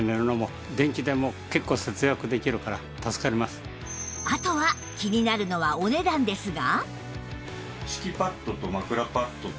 という事であとは気になるのはお値段ですが